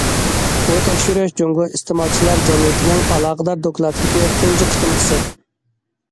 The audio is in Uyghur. بۇ تەكشۈرۈش جۇڭگو ئىستېمالچىلار جەمئىيىتىنىڭ ئالاقىدار دوكلاتىدىكى تۇنجى قېتىمقىسى.